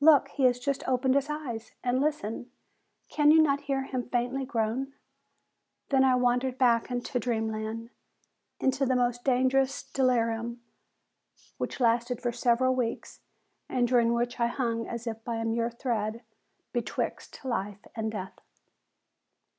Look, he has just opened his eyes, and listen, can you not hear him faintly groan?" Then I wandered back into dream land into a most dangerous delirium which lasted for several weeks and during which I hung as if by a mere thread, betwixt life and death.